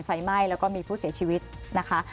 ไฟไหม้แล้วก็มีผู้เสียชีวิตนะคะ